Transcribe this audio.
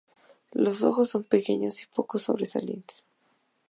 Los ojos son pequeños y poco sobresalientes.